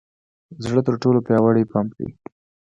زړه تر ټولو پیاوړې پمپ دی.